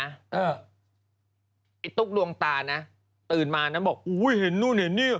ไอ้ตุ๊กดวงตานะตื่นมานะบอกอุ้ยเห็นนู่นเห็นนี่